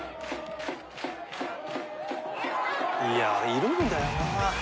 いやいるんだよな。